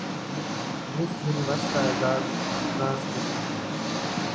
مس Universe کا اعزاز France کے نام